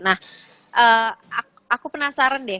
nah aku penasaran deh